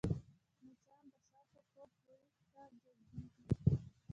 مچان د شاتو خوږ بوی ته جذبېږي